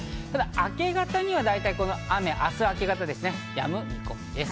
ただ明け方には大体この雨、明日明け方ですね、やむ見込みです。